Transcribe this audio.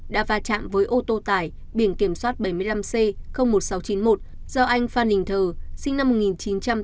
đã va chạm với ô tô tải biển kiểm soát bảy mươi năm c một nghìn sáu trăm chín mươi một do anh phan đình thờ sinh năm một nghìn chín trăm tám mươi